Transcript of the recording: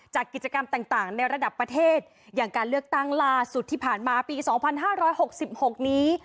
จากกิจกรรมต่างต่างในระดับประเทศอย่างการเลือกตั้งลาสุดที่ผ่านมาปีสองพันห้าร้อยหกสิบหกนี้